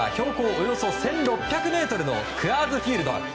およそ１６００ｍのクアーズ・フィールド。